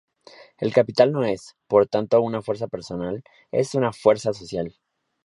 El capital no es, por tanto, una fuerza personal; es una fuerza social.